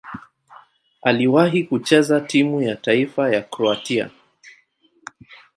Aliwahi kucheza timu ya taifa ya Kroatia.